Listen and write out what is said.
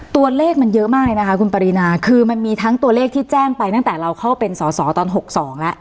ตัวเลขมันเยอะมากเลยนะคะคุณปรินาคือมันมีทั้งตัวเลขที่แจ้งไปตั้งแต่เราเข้าเป็นสอสอตอน๖๒แล้ว